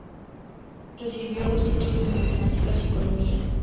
Recibió dos títulos en matemáticas y economía.